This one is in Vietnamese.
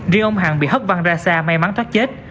riêng ông hàng bị hất văn ra xa may mắn thoát chết